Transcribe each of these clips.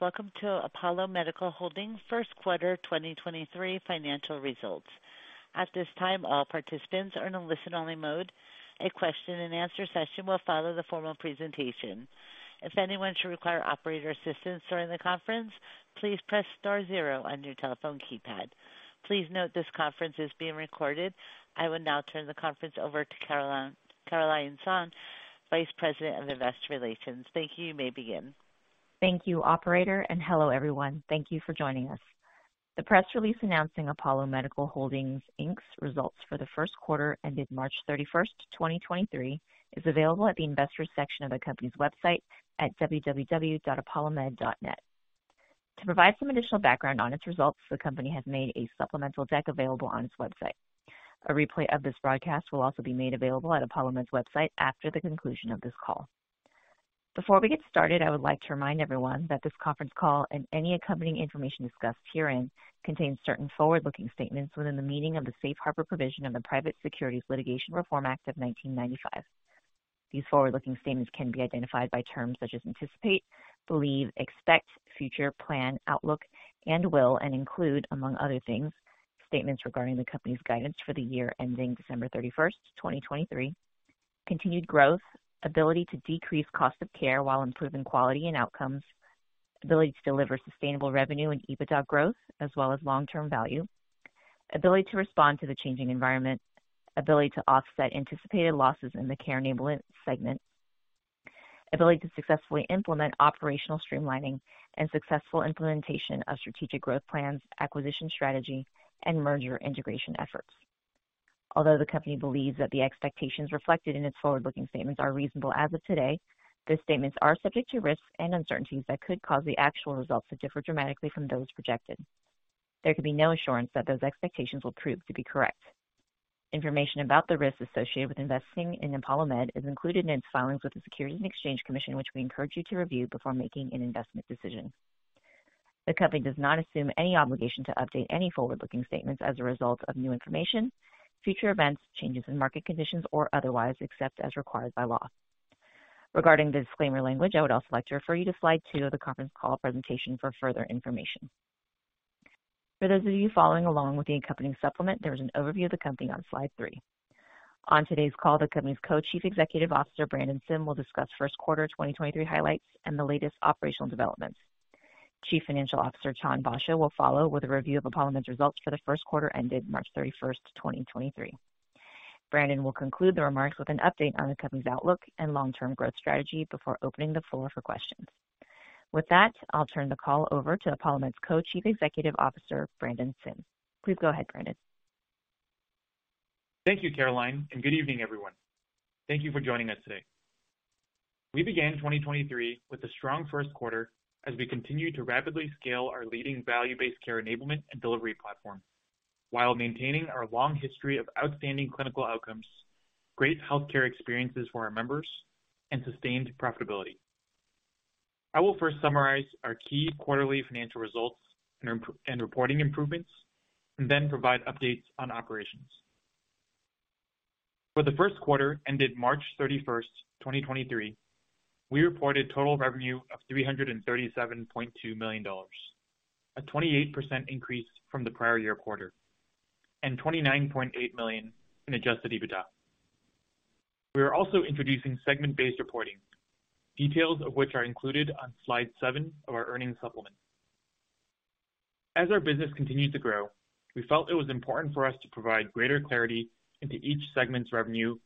Welcome to Apollo Medical Holdings first quarter 2023 financial results. At this time, all participants are in a listen-only mode. A question and answer session will follow the formal presentation. If anyone should require operator assistance during the conference, please press star zero on your telephone keypad. Please note this conference is being recorded. I will now turn the conference over to Carolyne Sohn, Vice President of Investor Relations. Thank you. You may begin. Thank you, operator, and hello, everyone. Thank you for joining us. The press release announcing Apollo Medical Holdings, Inc.'s results for the first quarter-ended March 31st, 2023, is available at the investors section of the company's website at www.apollomed.net. To provide some additional background on its results, the company has made a supplemental deck available on its website. A replay of this broadcast will also be made available at Apollo Med's website after the conclusion of this call. Before we get started, I would like to remind everyone that this conference call and any accompanying information discussed herein contains certain forward-looking statements within the meaning of the Safe Harbor provision of the Private Securities Litigation Reform Act of 1995. These forward-looking statements can be identified by terms such as anticipate, believe, expect, future, plan, outlook, and will and include, among other things, statements regarding the company's guidance for the year-ending December 31st, 2023, continued growth, ability to decrease cost of care while improving quality and outcomes, ability to deliver sustainable revenue and EBITDA growth as well as long-term value, ability to respond to the changing environment, ability to offset anticipated losses in the Care Enablement segment, ability to successfully implement operational streamlining and successful implementation of strategic growth plans, acquisition strategy and merger integration efforts. Although the company believes that the expectations reflected in its forward-looking statements are reasonable as of today, those statements are subject to risks and uncertainties that could cause the actual results to differ dramatically from those projected. There can be no assurance that those expectations will prove to be correct. Information about the risks associated with investing in Apollo Med is included in its filings with the Securities and Exchange Commission, which we encourage you to review before making an investment decision. The company does not assume any obligation to update any forward-looking statements as a result of new information, future events, changes in market conditions or otherwise, except as required by law. Regarding the disclaimer language, I would also like to refer you to slide two of the conference call presentation for further information. For those of you following along with the accompanying supplement, there is an overview of the company on slide three. On today's call, the company's Co-Chief Executive Officer, Brandon Sim, will discuss first quarter 2023 highlights and the latest operational developments. Chief Financial Officer, Chan Basho, will follow with a review of Apollo Med's results for the first quarter ended March 31st, 2023. Brandon will conclude the remarks with an update on the company's outlook and long-term growth strategy before opening the floor for questions. With that, I'll turn the call over to Apollo Med's Co-Chief Executive Officer, Brandon Sim. Please go ahead, Brandon. Thank you, Carolyne. Good evening, everyone. Thank you for joining us today. We began 2023 with a strong first quarter as we continue to rapidly scale our leading value-based Care Enablement and Delivery platform while maintaining our long history of outstanding clinical outcomes, great healthcare experiences for our members and sustained profitability. I will first summarize our key quarterly financial results and reporting improvements and then provide updates on operations. For the first quarter ended March 31st, 2023, we reported total revenue of $337.2 million, a 28% increase from the prior-year quarter, and $29.8 million in adjusted EBITDA. We are also introducing segment-based reporting, details of which are included on slide seven of our earnings supplement. As our business continues to grow, we felt it was important for us to provide greater clarity into each segment's revenue,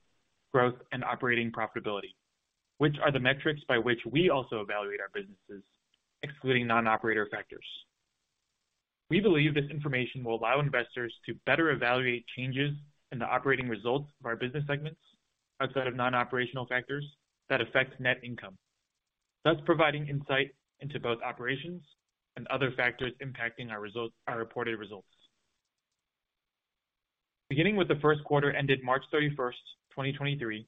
growth and operating profitability, which are the metrics by which we also evaluate our businesses, excluding non-operator factors. We believe this information will allow investors to better evaluate changes in the operating results of our business segments outside of non-operational factors that affect net income, thus providing insight into both operations and other factors impacting our reported results. Beginning with the first quarter ended March 31st, 2023,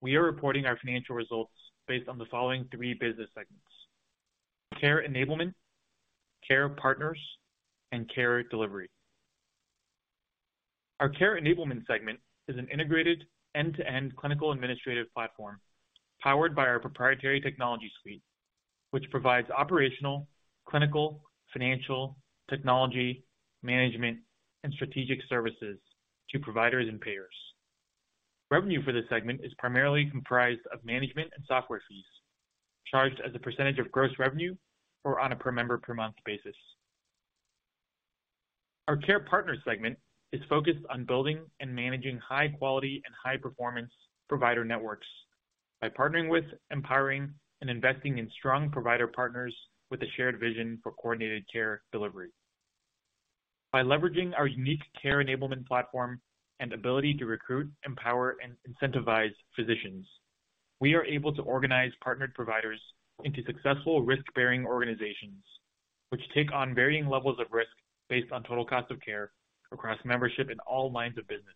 we are reporting our financial results based on the following three business segments: Care Enablement, Care Partners, and Care Delivery. Our Care Enablement segment is an integrated end-to-end clinical administrative platform powered by our proprietary technology suite, which provides operational, clinical, financial, technology, management, and strategic services to providers and payers. Revenue for this segment is primarily comprised of management and software fees charged as a percentage of gross revenue or on a per member per month basis. Our Care Partners segment is focused on building and managing high quality and high performance provider networks by partnering with, empowering and investing in strong provider partners with a shared vision for coordinated Care Delivery. By leveraging our unique Care Enablement platform and ability to recruit, empower, and incentivize physicians, we are able to organize partnered providers into successful risk-bearing organizations which take on varying levels of risk based on total cost of care across membership in all lines of business,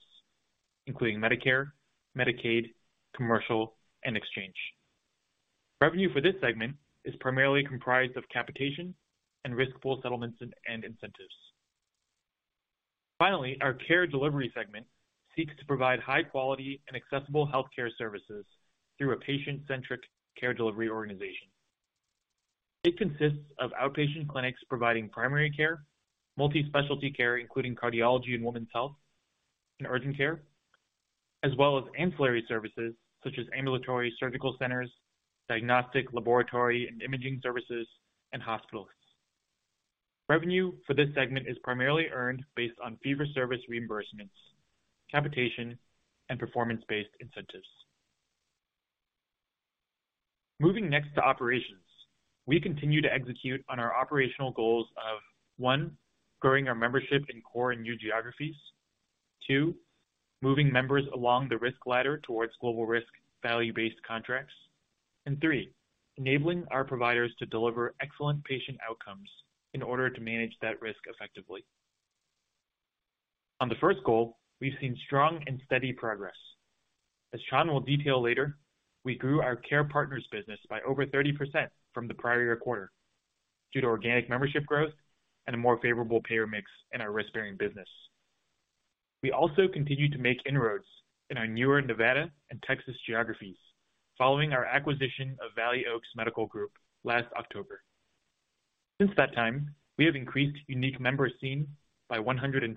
including Medicare, Medicaid, commercial and exchange. Revenue for this segment is primarily comprised of capitation and risk pool settlements and incentives. Finally, our Care Delivery segment seeks to provide high quality and accessible healthcare services through a patient-centric Care Delivery organization. It consists of outpatient clinics providing primary care, multi-specialty care, including cardiology and women's health and urgent care, as well as ancillary services such as ambulatory surgical centers, diagnostic laboratory and imaging services, and hospitals. Revenue for this segment is primarily earned based on fee-for-service reimbursements, capitation, and performance-based incentives. Moving next to operations. We continue to execute on our operational goals of, one, growing our membership in core and new geographies. Two, moving members along the risk ladder towards global risk value-based contracts. Three, enabling our providers to deliver excellent patient outcomes in order to manage that risk effectively. On the first goal, we've seen strong and steady progress. As Chan will detail later, we grew our Care Partners business by over 30% from the prior-year quarter due to organic membership growth and a more favorable payer mix in our risk-bearing business. We also continue to make inroads in our newer Nevada and Texas geographies following our acquisition of Valley Oaks Medical Group last October. Since that time, we have increased unique members seen by 120%,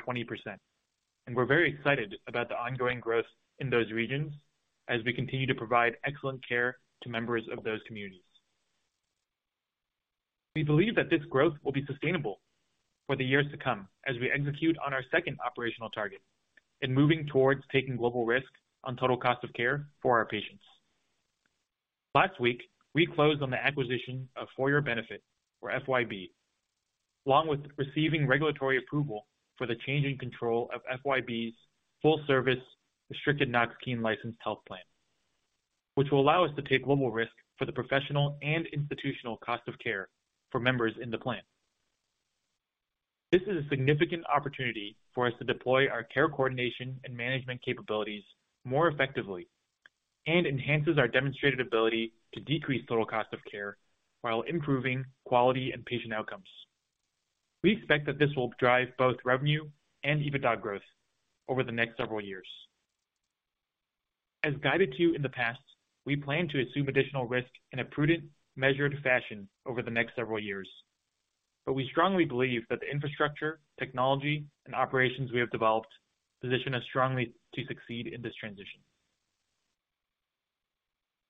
and we're very excited about the ongoing growth in those regions as we continue to provide excellent care to members of those communities. We believe that this growth will be sustainable for the years to come as we execute on our second operational target in moving towards taking global risk on total cost of care for our patients. Last week, we closed on the acquisition of For Your Benefit, or FYB, along with receiving regulatory approval for the change in control of FYB's full service restricted Knox-Keene licensed health plan, which will allow us to take global risk for the professional and institutional cost of care for members in the plan. This is a significant opportunity for us to deploy our care coordination and management capabilities more effectively and enhances our demonstrated ability to decrease total cost of care while improving quality and patient outcomes. We expect that this will drive both revenue and EBITDA growth over the next several years. As guided to you in the past, we plan to assume additional risk in a prudent, measured fashion over the next several years. We strongly believe that the infrastructure, technology, and operations we have developed position us strongly to succeed in this transition.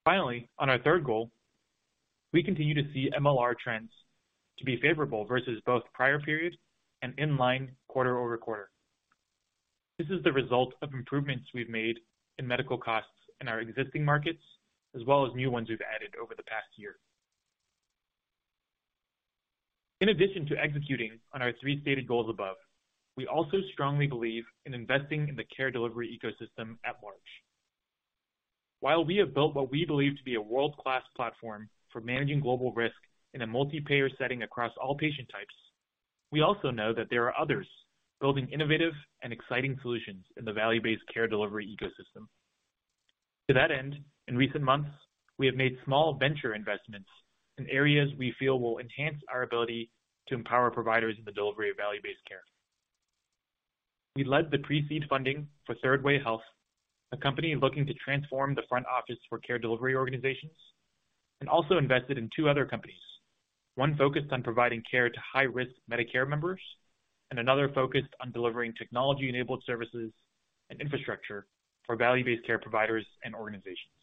Finally, on our third goal, we continue to see MLR trends to be favorable versus both prior periods and in line quarter-over-quarter. This is the result of improvements we've made in medical costs in our existing markets, as well as new ones we've added over the past year. In addition to executing on our three stated goals above, we also strongly believe in investing in the care delivery ecosystem at large. While we have built what we believe to be a world-class platform for managing global risk in a multi-payer setting across all patient types, we also know that there are others building innovative and exciting solutions in the value-based care delivery ecosystem. To that end, in recent months, we have made small venture investments in areas we feel will enhance our ability to empower providers in the delivery of value-based care. We led the pre-seed funding for Third Way Health, a company looking to transform the front office for care delivery organizations, and also invested in two other companies. One focused on providing care to high-risk Medicare members, and another focused on delivering technology-enabled services and infrastructure for value-based care providers and organizations.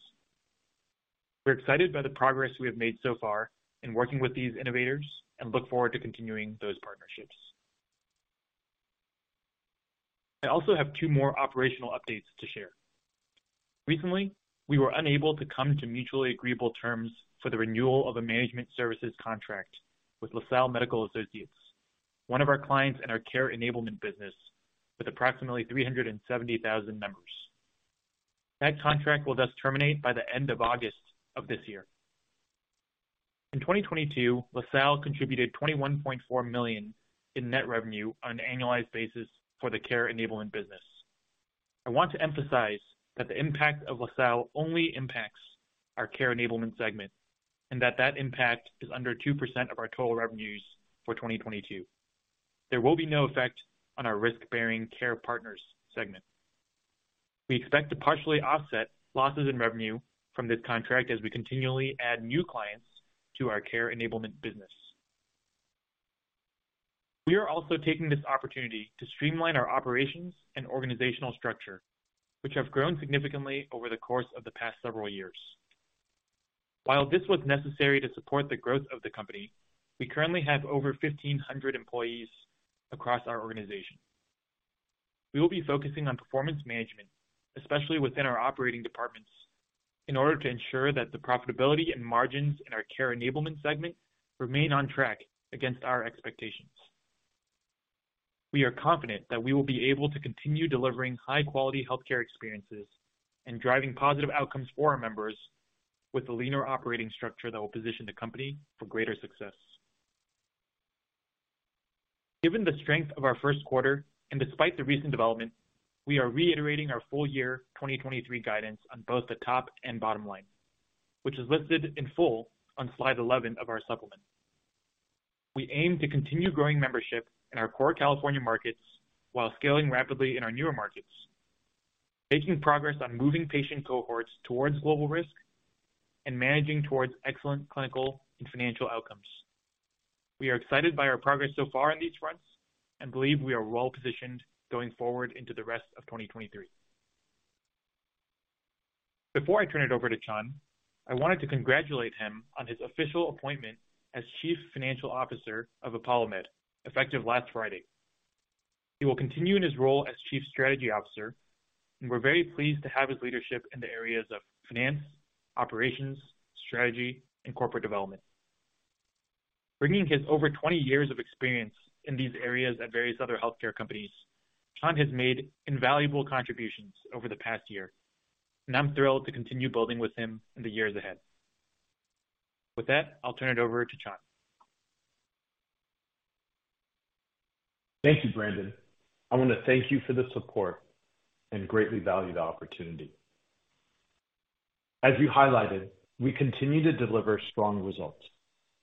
We're excited by the progress we have made so far in working with these innovators and look forward to continuing those partnerships. I also have two more operational updates to share. Recently, we were unable to come to mutually agreeable terms for the renewal of a management services contract with LaSalle Medical Associates, one of our clients in our Care Enablement business with approximately 370,000 members. That contract will thus terminate by the end of August of this year. In 2022, LaSalle contributed $21.4 million in net revenue on an annualized basis for the Care Enablement business. I want to emphasize that the impact of LaSalle only impacts our Care Enablement segment, and that that impact is under 2% of our total revenues for 2022. There will be no effect on our risk-bearing Care Partners segment. We expect to partially offset losses in revenue from this contract as we continually add new clients to our Care Enablement business. We are also taking this opportunity to streamline our operations and organizational structure, which have grown significantly over the course of the past several years. While this was necessary to support the growth of the company, we currently have over 1,500 employees across our organization. We will be focusing on performance management, especially within our operating departments, in order to ensure that the profitability and margins in our Care Enablement segment remain on track against our expectations. We are confident that we will be able to continue delivering high-quality healthcare experiences and driving positive outcomes for our members with a leaner operating structure that will position the company for greater success. Given the strength of our first quarter and despite the recent development, we are reiterating our full-year 2023 guidance on both the top and bottom line, which is listed in full on slide 11 of our supplement. We aim to continue growing membership in our core California markets while scaling rapidly in our newer markets, making progress on moving patient cohorts towards global risk and managing towards excellent clinical and financial outcomes. We are excited by our progress so far on these fronts and believe we are well positioned going forward into the rest of 2023. Before I turn it over to Chan, I wanted to congratulate him on his official appointment as Chief Financial Officer of Apollo Med, effective last Friday. He will continue in his role as Chief Strategy Officer. We're very pleased to have his leadership in the areas of finance, operations, strategy, and corporate development. Bringing his over 20 years of experience in these areas at various other healthcare companies, Chan has made invaluable contributions over the past year. I'm thrilled to continue building with him in the years ahead. With that, I'll turn it over to Chan. Thank you, Brandon. I want to thank you for the support and greatly value the opportunity. As you highlighted, we continue to deliver strong results,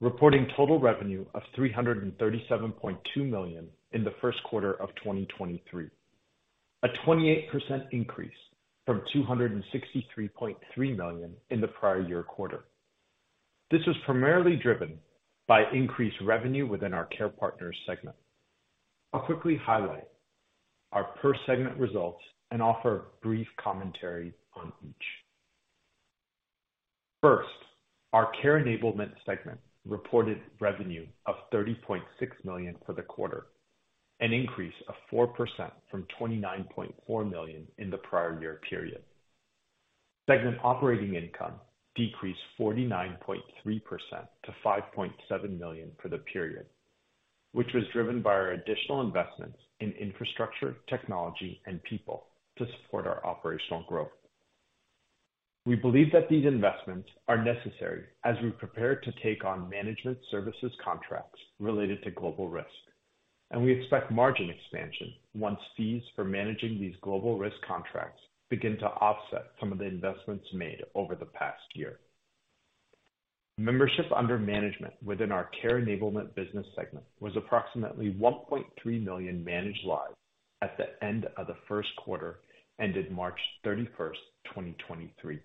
reporting total revenue of $337.2 million in the first quarter of 2023, a 28% increase from $263.3 million in the prior-year quarter. This was primarily driven by increased revenue within our Care Partners segment. I'll quickly highlight our per segment results and offer brief commentary on each. First, our Care Enablement segment reported revenue of $30.6 million for the quarter, an increase of 4% from $29.4 million in the prior-year period. Segment operating income decreased 49.3% to $5.7 million for the period, which was driven by our additional investments in infrastructure, technology, and people to support our operational growth. We believe that these investments are necessary as we prepare to take on management services contracts related to global risk, and we expect margin expansion once fees for managing these global risk contracts begin to offset some of the investments made over the past year. Membership under management within our Care Enablement business segment was approximately 1.3 million managed lives at the end of the first quarter-ended March 31st, 2023.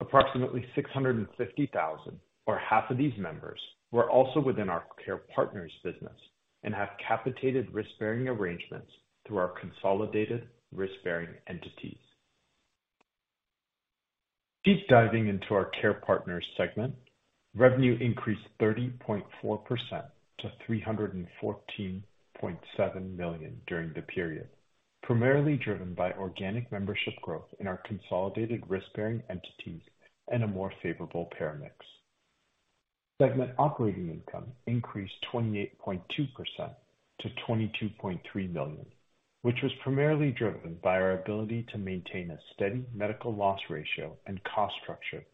Approximately 650,000, or half of these members, were also within our Care Partners business and have capitated risk-bearing arrangements through our consolidated risk-bearing entities. Deep diving into our Care Partners segment, revenue increased 30.4% to $314.7 million during the period, primarily driven by organic membership growth in our consolidated risk-bearing entities and a more favorable payer mix. Segment operating income increased 28.2% to $22.3 million, which was primarily driven by our ability to maintain a steady medical loss ratio and cost structure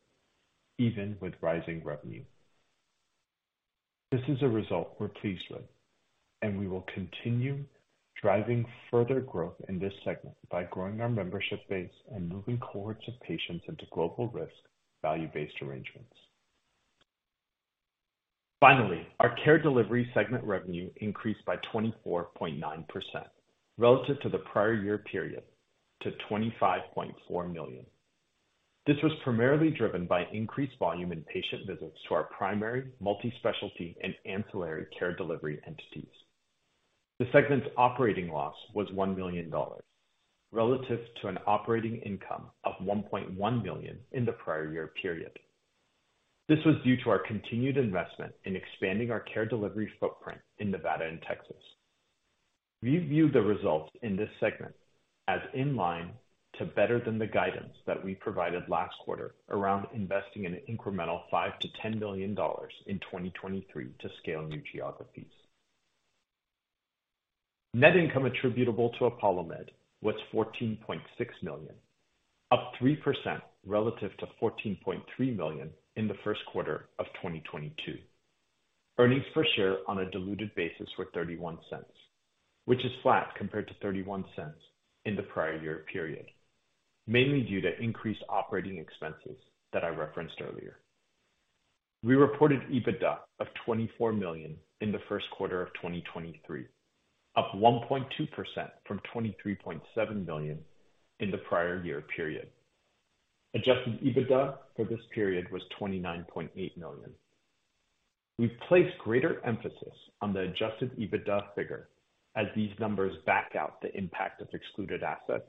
even with rising revenue. This is a result we're pleased with, and we will continue driving further growth in this segment by growing our membership base and moving cohorts of patients into global risk value-based arrangements. Finally, our Care Delivery segment revenue increased by 24.9% relative to the prior-year period to $25.4 million. This was primarily driven by increased volume in patient visits to our primary, multi-specialty, and ancillary care delivery entities. The segment's operating loss was $1 million relative to an operating income of $1.1 million in the prior-year period. This was due to our continued investment in expanding our care delivery footprint in Nevada and Texas. We view the results in this segment as in line to better than the guidance that we provided last quarter around investing in an incremental $5 million-$10 million in 2023 to scale new geographies. Net income attributable to Apollo Med was $14.6 million, up 3% relative to $14.3 million in the first quarter of 2022. Earnings per share on a diluted basis were $0.31, which is flat compared to $0.31 in the prior-year period, mainly due to increased operating expenses that I referenced earlier. We reported EBITDA of $24 million in the first quarter of 2023, up 1.2% from $23.7 million in the prior-year period. Adjusted EBITDA for this period was $29.8 million. We've placed greater emphasis on the adjusted EBITDA figure as these numbers back out the impact of excluded assets,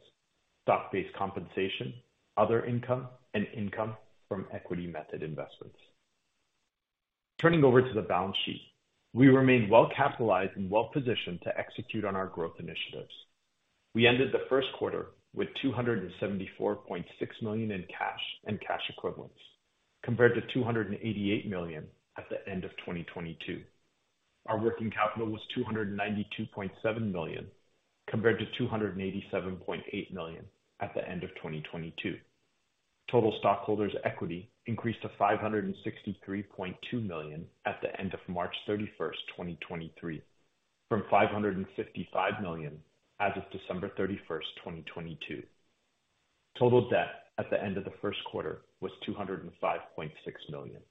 stock-based compensation, other income, and income from equity method investments. Turning over to the balance sheet, we remain well capitalized and well positioned to execute on our growth initiatives. We ended the first quarter with $274.6 million in cash and cash equivalents compared to $288 million at the end of 2022. Our working capital was $292.7 million compared to $287.8 million at the end of 2022. Total stockholders' equity increased to $563.2 million at the end of March 31, 2023, from $555 million as of December 31st, 2022. Total debt at the end of the first quarter was $205.6 million.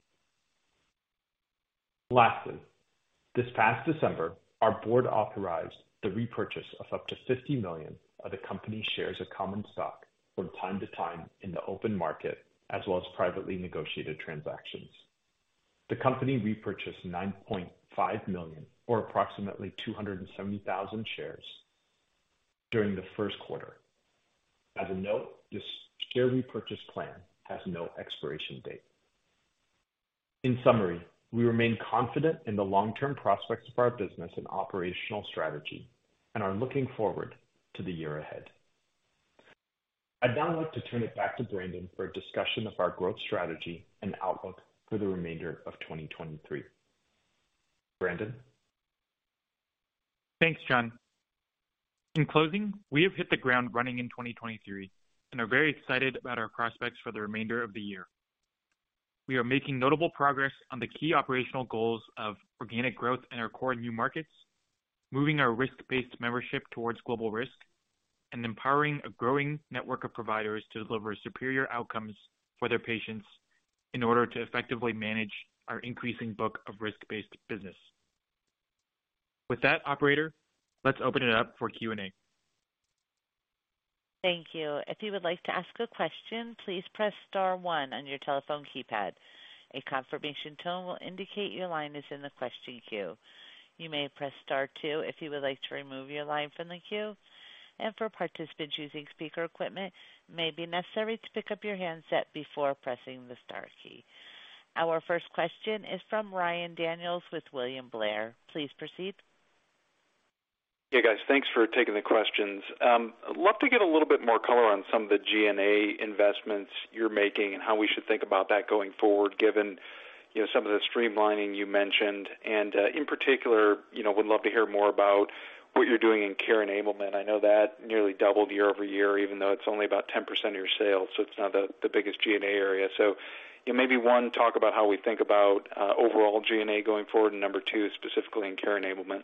This past December, our board authorized the repurchase of up to $50 million of the company's shares of common stock from time to time in the open market as well as privately negotiated transactions. The company repurchased $9.5 million or approximately 270,000 shares during the first quarter. This share repurchase plan has no expiration date. We remain confident in the long-term prospects of our business and operational strategy and are looking forward to the year ahead. I'd now like to turn it back to Brandon for a discussion of our growth strategy and outlook for the remainder of 2023. Brandon? Thanks, Chan. In closing, we have hit the ground running in 2023 and are very excited about our prospects for the remainder of the year. We are making notable progress on the key operational goals of organic growth in our core new markets, moving our risk-based membership towards global risk, and empowering a growing network of providers to deliver superior outcomes for their patients in order to effectively manage our increasing book of risk-based business. With that operator, let's open it up for Q&A. Thank you. If you would like to ask a question, please press star one on your telephone keypad. A confirmation tone will indicate your line is in the question queue. You may press star two if you would like to remove your line from the queue. For participants using speaker equipment, it may be necessary to pick up your handset before pressing the star key. Our first question is from Ryan Daniels with William Blair. Please proceed. Hey, guys. Thanks for taking the questions. I'd love to get a little bit more color on some of the G&A investments you're making and how we should think about that going forward, given, you know, some of the streamlining you mentioned. In particular, you know, would love to hear more about what you're doing in care enablement. I know that nearly doubled year-over-year, even though it's only about 10% of your sales, so it's not the biggest G&A area. You know, maybe 1, talk about how we think about overall G&A going forward, and 2, specifically in care enablement.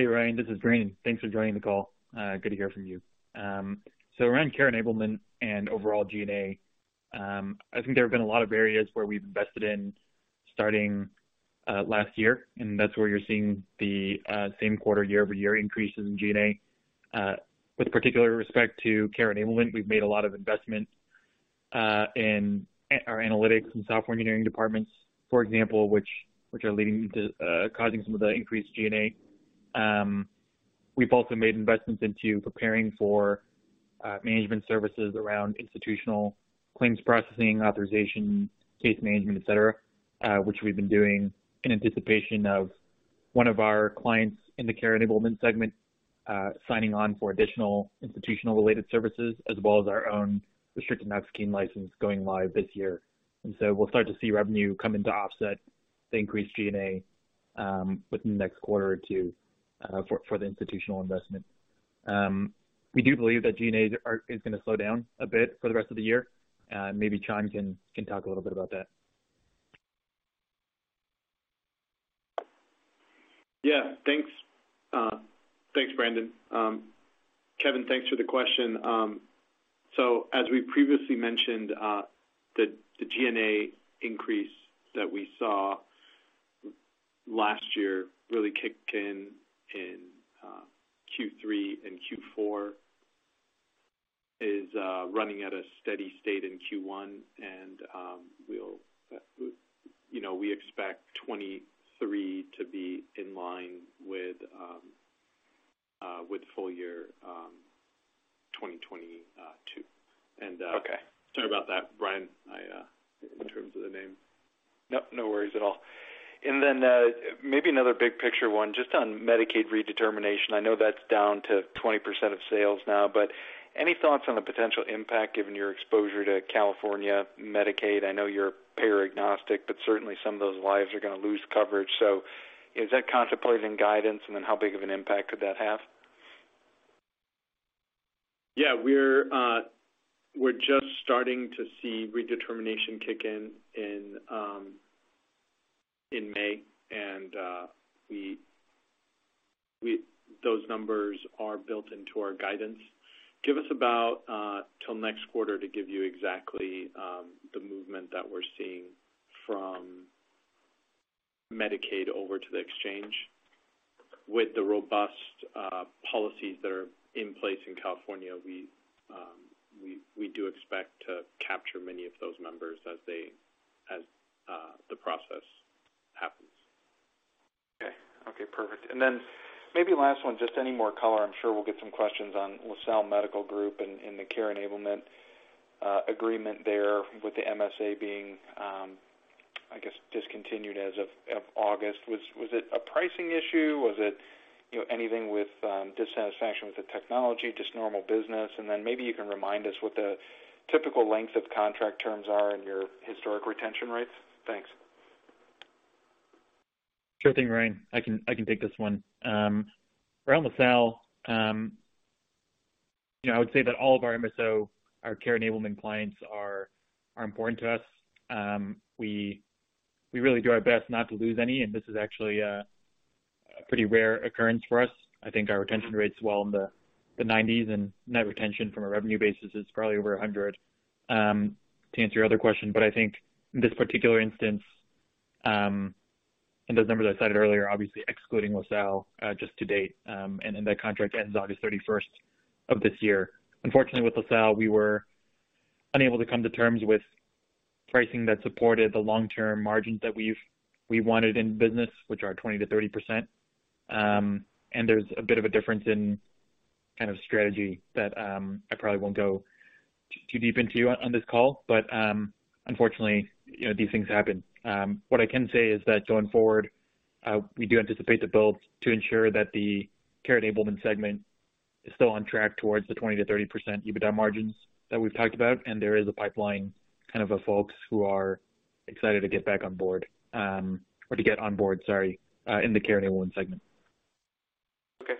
Ryan, this is Brandon. Thanks for joining the call. Good to hear from you. Around Care Enablement and overall G&A, I think there have been a lot of areas where we've invested in starting last year, and that's where you're seeing the same quarter year-over-year increases in G&A. With particular respect to Care Enablement, we've made a lot of investments in our analytics and software engineering departments, for example, which are leading to causing some of the increased G&A. We've also made investments into preparing for management services around institutional claims processing, authorization, case management, et cetera, which we've been doing in anticipation of one of our clients in the Care Enablement segment signing on for additional institutional related services, as well as our own restricted Knox-Keene license going live this year. We'll start to see revenue come in to offset the increased G&A, within the next quarter or two, for the institutional investment. We do believe that G&A is gonna slow down a bit for the rest of the year. Maybe Chan can talk a little bit about that. Yeah. Thanks. Thanks, Brandon. Kevin, thanks for the question. As we previously mentioned, the G&A increase that we saw last year really kicked in Q3 and Q4, is running at a steady state in Q1, and, we'll, you know, we expect 2023 to be in line with full-year, 2022. Okay. Sorry about that, Ryan. I, in terms of the name. Nope, no worries at all. Maybe another big picture one just on Medicaid redetermination. I know that's down to 20% of sales now, but any thoughts on the potential impact given your exposure to California Medicaid? I know you're payer agnostic, but certainly some of those lives are gonna lose coverage. Is that contemplated in guidance? How big of an impact could that have? Yeah. We're just starting to see redetermination kick in May. Those numbers are built into our guidance. Give us about till next quarter to give you exactly the movement that we're seeing from Medicaid over to the exchange. With the robust policies that are in place in California, we do expect to capture many of those members as the process happens. Okay, perfect. Maybe last one, just any more color. I'm sure we'll get some questions on LaSalle Medical Group and the Care Enablement agreement there with the MSA being, I guess, discontinued as of August. Was it a pricing issue? Was it, you know, anything with dissatisfaction with the technology, just normal business? Maybe you can remind us what the typical length of contract terms are and your historic retention rates. Thanks. Sure thing, Ryan. I can take this one. Around LaSalle, you know, I would say that all of our MSO, our Care Enablement clients are important to us. We really do our best not to lose any, and this is actually, a pretty rare occurrence for us. I think our retention rate's well in the 90s, and net retention from a revenue basis is probably over 100. To answer your other question. I think in this particular instance, and those numbers I cited earlier, obviously excluding LaSalle, just to date, and that contract ends August 31st of this year. Unfortunately, with LaSalle, we were unable to come to terms with pricing that supported the long-term margins that we wanted in business, which are 20%-30%. There's a bit of a difference in kind of strategy that, I probably won't go too deep into on this call. Unfortunately, you know, these things happen. What I can say is that going forward, we do anticipate the build to ensure that the Care Enablement segment is still on track towards the 20%-30% EBITDA margins that we've talked about. There is a pipeline kind of of folks who are excited to get back on board, or to get on board, sorry, in the Care Enablement segment. Okay.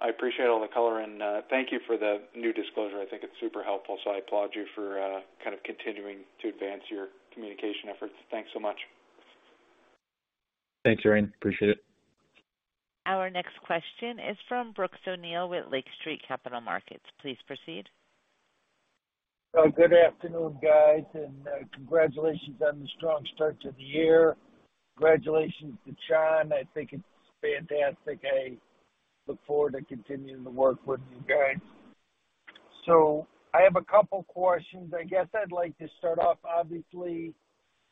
I appreciate all the color and, thank you for the new disclosure. I think it's super helpful. I applaud you for, kind of continuing to advance your communication efforts. Thanks so much. Thanks, Ryan. Appreciate it. Our next question is from Brooks O'Neil with Lake Street Capital Markets. Please proceed. Good afternoon, guys, and congratulations on the strong start to the year. Congratulations to Chan. I think it's fantastic. I look forward to continuing to work with you guys. I have a couple questions. I guess I'd like to start off, obviously,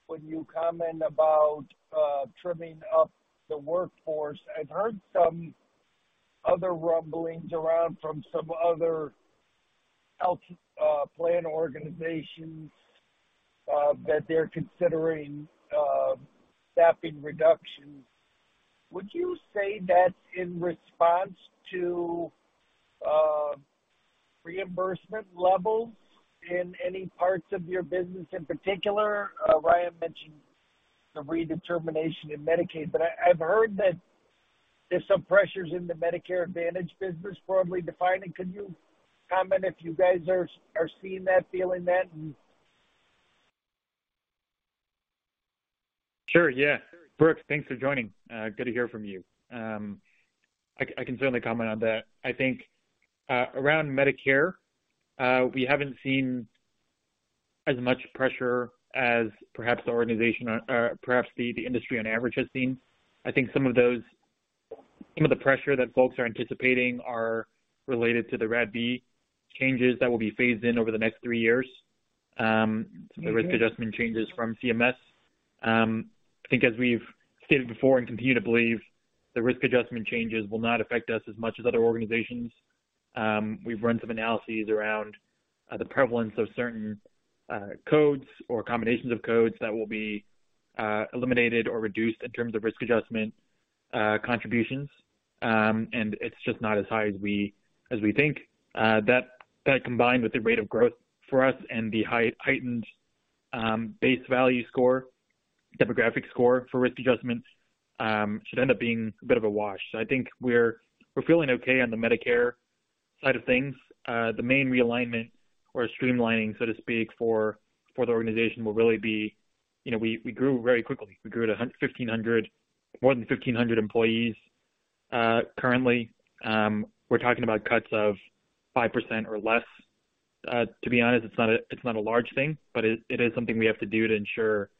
when you comment about trimming up the workforce. I've heard some other rumblings around from some other health plan organizations that they're considering staffing reductions. Would you say that's in response to reimbursement levels in any parts of your business in particular? Ryan mentioned the redetermination in Medicaid, but I've heard that there's some pressures in the Medicare Advantage business, probably defining. Could you comment if you guys are seeing that, feeling that and. Sure, yeah. Brooks, thanks for joining. good to hear from you. I can certainly comment on that. I think, around Medicare, we haven't seen as much pressure as perhaps the organization or, perhaps the industry on average has seen. I think some of the pressure that folks are anticipating are related to the RADV changes that will be phased in over the next three years. Okay. The risk adjustment changes from CMS. I think as we've stated before and continue to believe, the risk adjustment changes will not affect us as much as other organizations. We've run some analyses around the prevalence of certain codes or combinations of codes that will be eliminated or reduced in terms of risk adjustment contributions. It's just not as high as we think. That combined with the rate of growth for us and the high heightened base value score, demographic score for risk adjustments, should end up being a bit of a wash. I think we're feeling okay on the Medicare side of things. The main realignment or streamlining, so to speak, for the organization will really be. You know, we grew very quickly. We grew to 1,500, more than 1,500 employees, currently. We're talking about cuts of 5% or less. To be honest, it's not a large thing, but it is something we have to do to ensure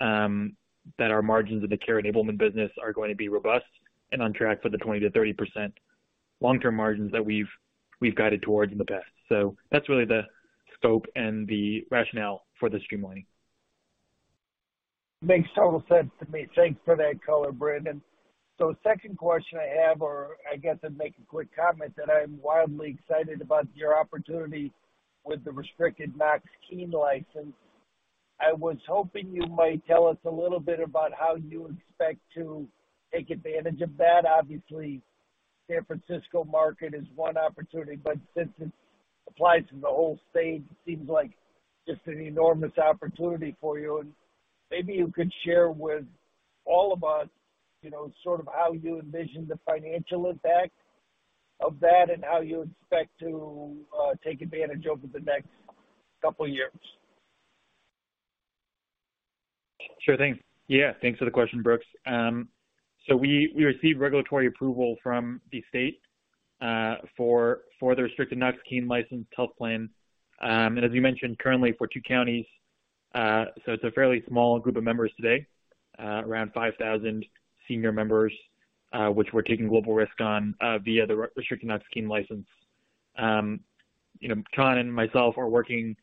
that our margins of the Care Enablement business are going to be robust and on track for the 20%-30% long-term margins that we've guided towards in the past. That's really the scope and the rationale for the streamlining. Makes total sense to me. Thanks for that color, Brandon. Second question I have or I guess I'd make a quick comment that I'm wildly excited about your opportunity with the restricted Knox-Keene license. I was hoping you might tell us a little bit about how you expect to take advantage of that. Obviously, San Francisco market is one opportunity, but since it applies in the whole state, it seems like just an enormous opportunity for you. Maybe you could share with all of us, you know, sort of how you envision the financial impact of that and how you expect to take advantage over the next couple years. Sure thing. Thanks for the question, Brooks. We received regulatory approval from the state for the restricted Knox-Keene license health plan. As you mentioned currently for two counties, it's a fairly small group of members today, around 5,000 senior members, which we're taking global risk on via the restricted Knox-Keene license. You know, Chan and myself are working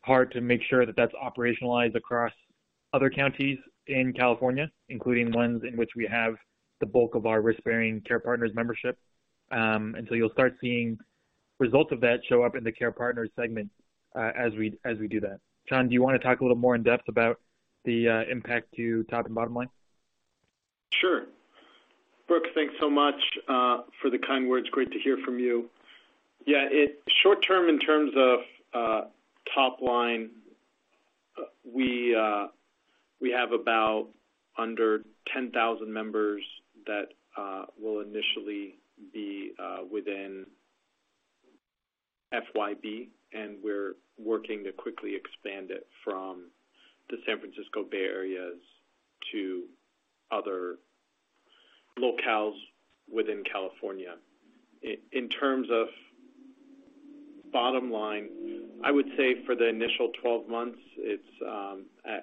hard to make sure that that's operationalized across other counties in California, including ones in which we have the bulk of our risk-bearing Care Partners membership. You'll start seeing results of that show up in the Care Partners segment as we do that. Chan, do you wanna talk a little more in-depth about the impact to top and bottom line? Sure. Brooks, thanks so much for the kind words. Great to hear from you. Yeah, short-term, in terms of top line. We have about under 10,000 members that will initially be within FYB, and we're working to quickly expand it from the San Francisco Bay Areas to other locales within California. In terms of bottom line, I would say for the initial 12 months,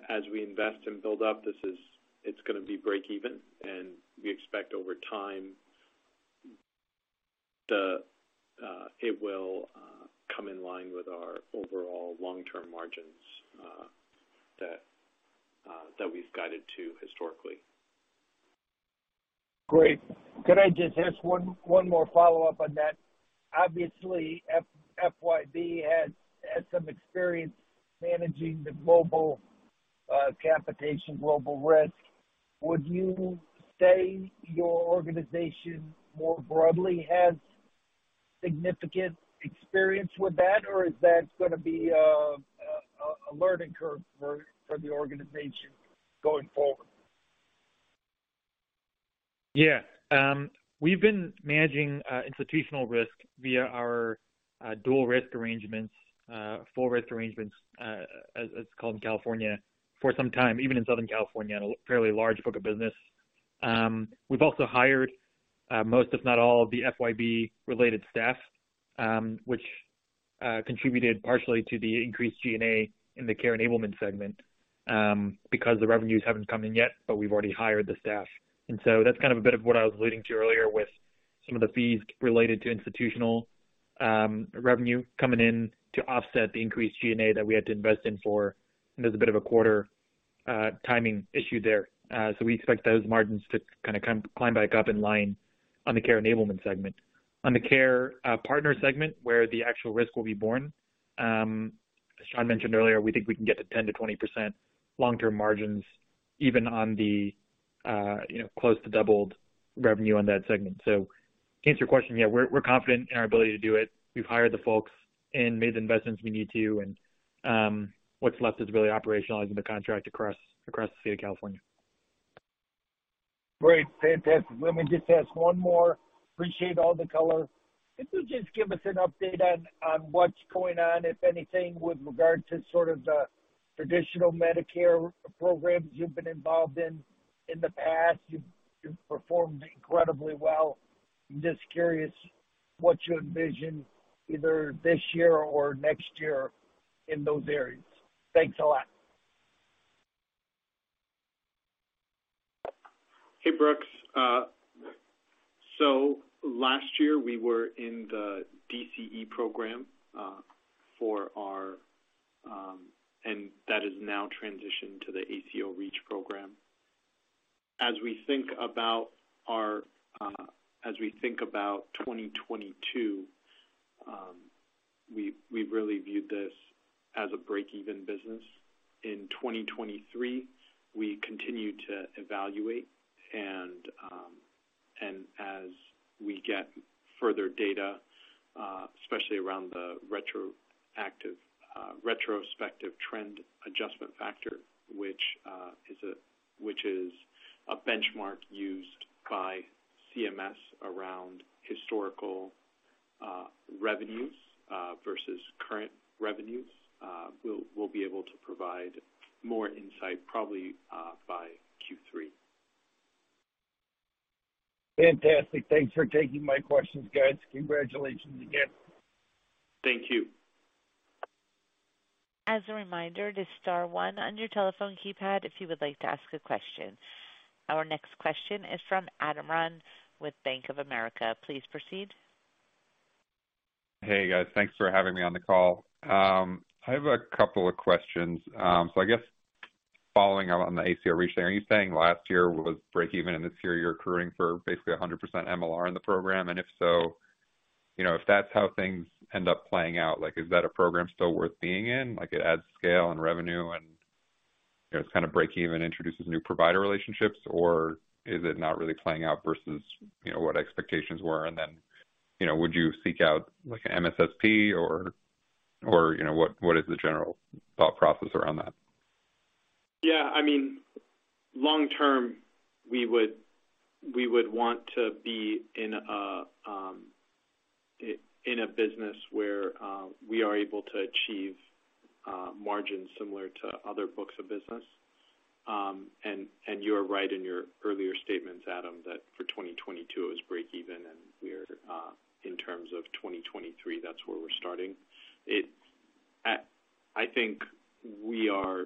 as we invest and build up, it's gonna be breakeven, and we expect over time, it will come in line with our overall long-term margins that we've guided to historically. Great. Could I just ask one more follow-up on that? Obviously, FYB has some experience managing the mobile capitation global risk. Would you say your organization more broadly has significant experience with that, or is that gonna be a learning curve for the organization going forward? Yeah. We've been managing institutional risk via our dual risk arrangements, full risk arrangements, as it's called in California, for some time, even in Southern California, fairly large book of business. We've also hired most, if not all, of the FYB related staff, which contributed partially to the increased G&A in the Care Enablement segment, because the revenues haven't come in yet, but we've already hired the staff. That's kind of a bit of what I was alluding to earlier with some of the fees related to institutional revenue coming in to offset the increased G&A that we had to invest in for. There's a bit of a quarter timing issue there. We expect those margins to climb back up in line on the Care Enablement segment. On the Care Partners segment, where the actual risk will be borne, as Chan mentioned earlier, we think we can get to 10%-20% long-term margins, even on the, you know, close to doubled revenue on that segment. To answer your question, yeah, we're confident in our ability to do it. We've hired the folks and made the investments we need to, and what's left is really operationalizing the contract across the state of California. Great. Fantastic. Let me just ask one more. Appreciate all the color. Could you just give us an update on what's going on, if anything, with regard to sort of the traditional Medicare programs you've been involved in the past? You've performed incredibly well. I'm just curious what you envision either this year or next year in those areas. Thanks a lot. Hey, Brooks. Last year we were in the DCE program for our. That has now transitioned to the ACO REACH program. As we think about our, as we think about 2022, we've really viewed this as a break-even business. In 2023, we continue to evaluate, as we get further data, especially around the retroactive retrospective trend adjustment factor, which is a benchmark used by CMS around historical revenues versus current revenues, we'll be able to provide more insight probably by Q3. Fantastic. Thanks for taking my questions, guys. Congratulations again. Thank you. As a reminder to star one on your telephone keypad if you would like to ask a question. Our next question is from Adam Ron with Bank of America. Please proceed. Hey, guys. Thanks for having me on the call. I have a couple of questions. I guess following up on the ACO REACH there, are you saying last year was break even, and this year you're accruing for basically 100% MLR in the program? If so, you know, if that's how things end up playing out, like is that a program still worth being in? Like it adds scale and revenue and it's kinda break even, introduces new provider relationships, or is it not really playing out versus, you know, what expectations were? Then, you know, would you seek out like an MSSP or, you know, what is the general thought process around that? Yeah, I mean, long term, we would want to be in a business where we are able to achieve margins similar to other books of business. You're right in your earlier statements, Adam, that for 2022 it was break even and we're in terms of 2023, that's where we're starting. I think we're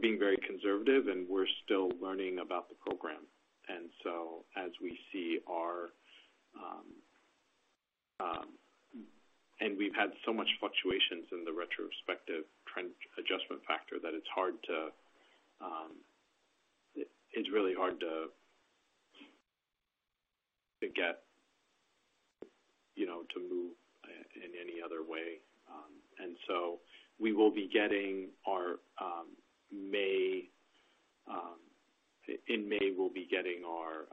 being very conservative, and we're still learning about the program. We've had so much fluctuations in the retrospective trend adjustment factor that it's hard to, it's really hard to get, you know, to move in any other way. We will be getting our May, In May, we'll be getting our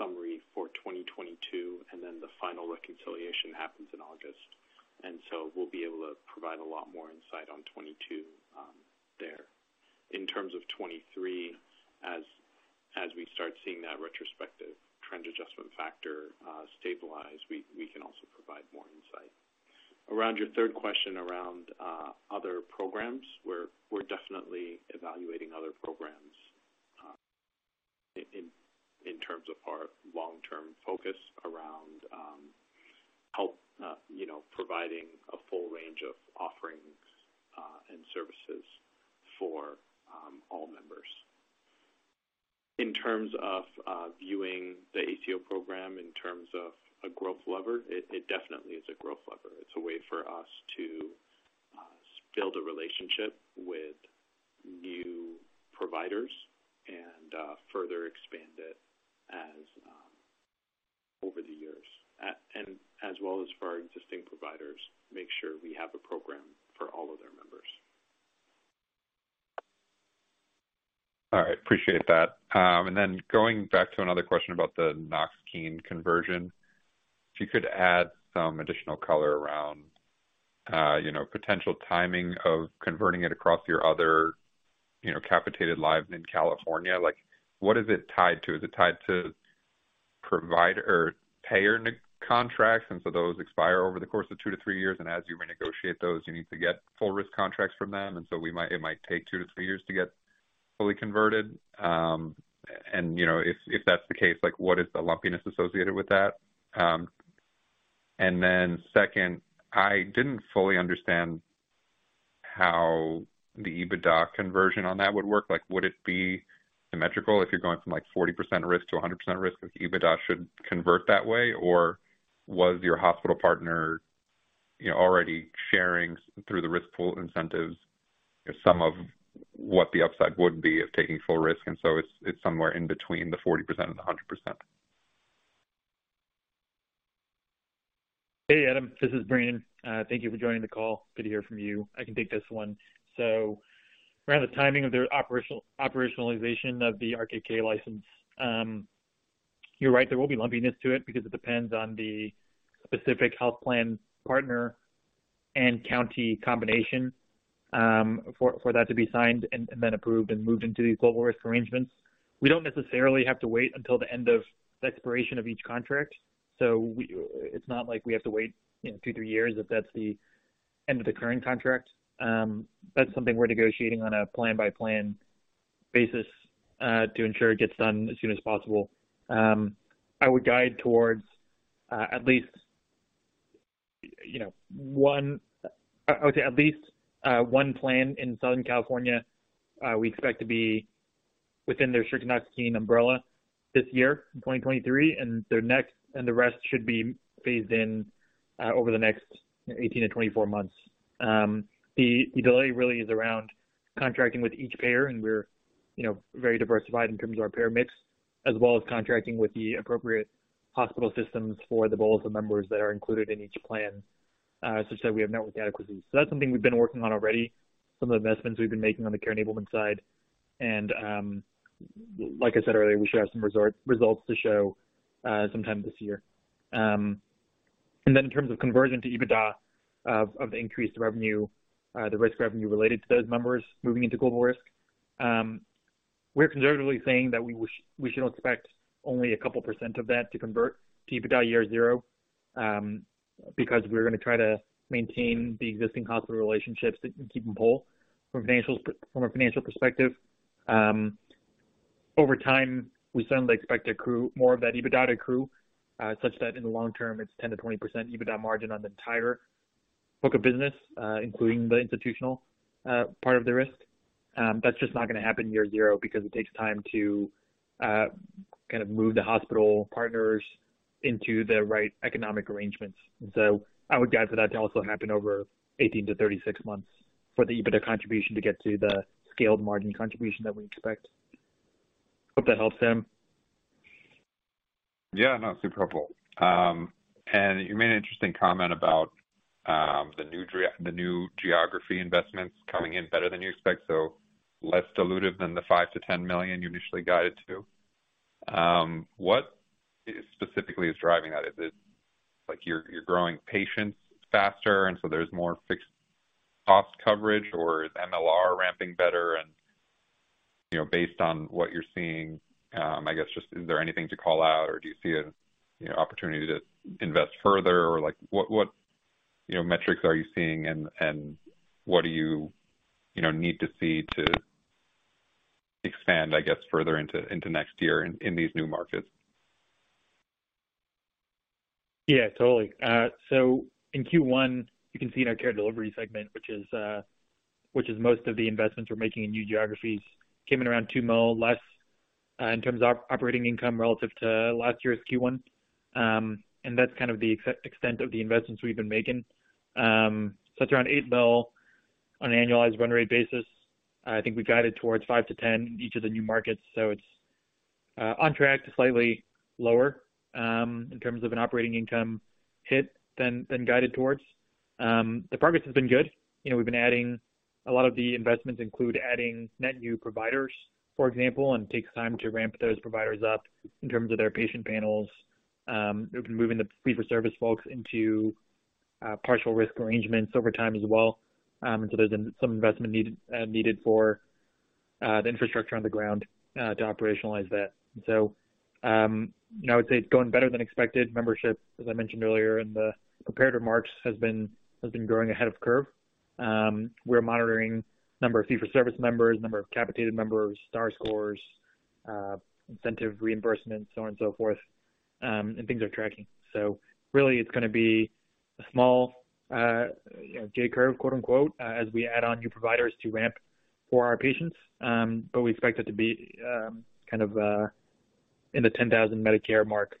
summary for 2022, and then the final reconciliation happens in August. We'll be able to provide a lot more insight on 2022 there. In terms of 2023, as we start seeing that retrospective trend adjustment stabilize, we can also provide more insight. Around your third question around other programs, we're definitely evaluating other programs in terms of our long-term focus around help, you know, providing a full range of offerings and services for all members. In terms of viewing the ACO program in terms of a growth lever, it definitely is a growth lever. It's a way for us to build a relationship with new providers and further expand it as over the years. And as well as for our existing providers, make sure we have a program for all of their members. All right. Appreciate that. Going back to another question about the Knox-Keene conversion, if you could add some additional color around, you know, potential timing of converting it across your other, you know, capitated lives in California. Like, what is it tied to? Is it tied to provider or payer nic-contracts, those expire over the course of 2 years-3 years, as you renegotiate those, you need to get full risk contracts from them, it might take 2 years-3 years to get fully converted? You know, if that's the case, like, what is the lumpiness associated with that? Second, I didn't fully understand how the EBITDA conversion on that would work. Like, would it be symmetrical if you're going from, like, 40% risk to 100% risk, if EBITDA should convert that way? Was your hospital partner, you know, already sharing through the risk pool incentives some of what the upside would be of taking full risk, and so it's somewhere in between the 40% and the 100%? Hey, Adam, this is Brandon. Thank you for joining the call. Good to hear from you. I can take this one. Around the timing of their operationalization of the RKK license, you're right, there will be lumpiness to it because it depends on the specific health plan partner and county combination for that to be signed and then approved and moved into these global risk arrangements. We don't necessarily have to wait until the end of the expiration of each contract. It's not like we have to wait, you know, two, three years if that's the end of the current contract. That's something we're negotiating on a plan-by-plan basis to ensure it gets done as soon as possible. I would guide towards, at least, you know, one... I would say at least, one plan in Southern California, we expect to be within their strict Knox-Keene umbrella this year in 2023, and the rest should be phased in over the next 18 months-24 months. The delay really is around contracting with each payer, and we're, you know, very diversified in terms of our payer mix, as well as contracting with the appropriate hospital systems for the bulk of members that are included in each plan, such that we have network adequacy. That's something we've been working on already, some of the investments we've been making on the Care Enablement side. Like I said earlier, we should have some results to show sometime this year. In terms of conversion to EBITDA of the increased revenue, the risk revenue related to those members moving into global risk, we're conservatively saying that we should expect only a couple percent of that to convert to EBITDA year zero because we're gonna try to maintain the existing hospital relationships that can keep them whole from a financial perspective. Over time, we certainly expect to accrue more of that EBITDA to accrue such that in the long term it's 10%-20% EBITDA margin on the entire book of business, including the institutional part of the risk. That's just not gonna happen year zero because it takes time to kind of move the hospital partners into the right economic arrangements. I would guide for that to also happen over 18 months-36 months for the EBITDA contribution to get to the scaled margin contribution that we expect. Hope that helps, Tim. Yeah, no, super helpful. You made an interesting comment about the new geography investments coming in better than you expect, so less dilutive than the $5 million-$10 million you initially guided to. What specifically is driving that? Is it like you're growing patients faster, and so there's more fixed cost coverage? Or is MLR ramping better? You know, based on what you're seeing, I guess just is there anything to call out? Or do you see an opportunity to invest further? Like, what, you know, metrics are you seeing and what do you know, need to see to expand, I guess, further into next year in these new markets? Yeah, totally. In Q1, you can see in our Care Delivery segment, which is most of the investments we're making in new geographies, came in around $2 million less in terms of operating income relative to last year's Q1. That's kind of the extent of the investments we've been making. It's around $8 million on an annualized run rate basis. I think we guided towards $5 million-$10 million in each of the new markets, so it's on track to slightly lower in terms of an operating income hit than guided towards. The progress has been good. You know, we've been adding a lot of the investments include adding net new providers, for example, and takes time to ramp those providers up in terms of their patient panels. We've been moving the fee-for-service folks into partial risk arrangements over time as well. There's some investment needed needed for the infrastructure on the ground to operationalize that. You know, I would say it's going better than expected. Membership, as I mentioned earlier in the prepared remarks, has been growing ahead of curve. We're monitoring number of fee-for-service members, number of capitated members, Star Ratings, incentive reimbursement, so on and so forth, and things are tracking. Really it's gonna be a small, you know, "J curve," quote-unquote, as we add on new providers to ramp for our patients. We expect it to be kind of in the 10,000 Medicare mark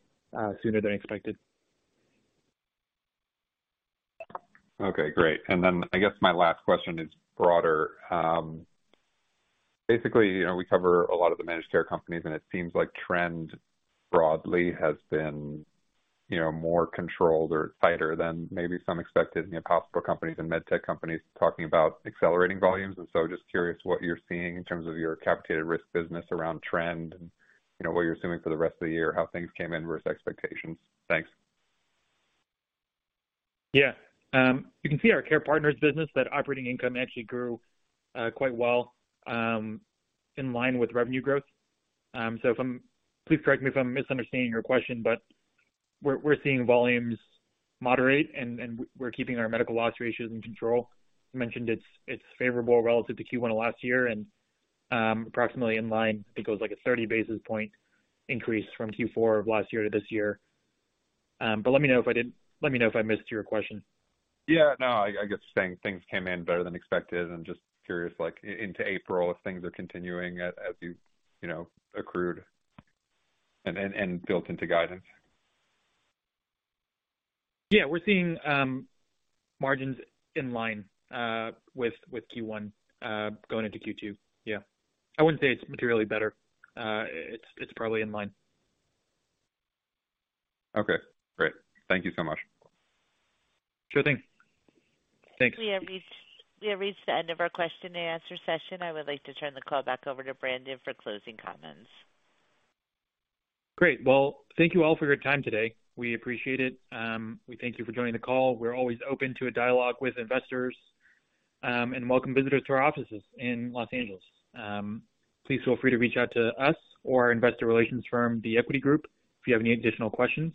sooner than expected. Okay, great. I guess my last question is broader. Basically, you know, we cover a lot of the managed care companies, and it seems like trend broadly has been, you know, more controlled or tighter than maybe some expected, you know, hospital companies and med tech companies talking about accelerating volumes. Just curious what you're seeing in terms of your capitated risk business around trend and, you know, what you're assuming for the rest of the year, how things came in versus expectations. Thanks. Yeah. You can see our Care Partners business, that operating income actually grew quite well, in line with revenue growth. Please correct me if I'm misunderstanding your question, but we're seeing volumes moderate and we're keeping our medical loss ratios in control. I mentioned it's favorable relative to Q1 of last year and approximately in line, I think it was like a 30 basis point increase from Q4 of last year to this year. Let me know if I missed your question. Yeah, no. I guess saying things came in better than expected and just curious like into April if things are continuing as you know, accrued and built into guidance. We're seeing, margins in line, with Q1, going into Q2. I wouldn't say it's materially better. It's probably in line. Okay, great. Thank you so much. Sure thing. Thanks. We have reached the end of our question and answer session. I would like to turn the call back over to Brandon for closing comments. Great. Well, thank you all for your time today. We appreciate it. We thank you for joining the call. We're always open to a dialogue with investors, and welcome visitors to our offices in Los Angeles. Please feel free to reach out to us or our investor relations firm, The Equity Group, if you have any additional questions.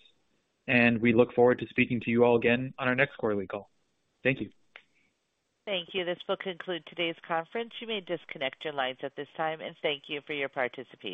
We look forward to speaking to you all again on our next quarterly call. Thank you. Thank you. This will conclude today's conference. You may disconnect your lines at this time, and thank you for your participation.